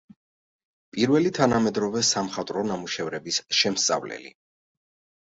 პირველი თანამედროვე სამხატვრო ნამუშევრების შემსწავლელი.